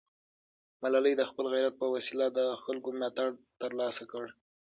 ملالۍ د خپل غیرت په وسیله د خلکو ملاتړ ترلاسه کړ.